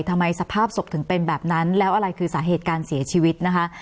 สภาพศพถึงเป็นแบบนั้นแล้วอะไรคือสาเหตุการเสียชีวิตนะคะ